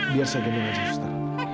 biar saya gendong aja suster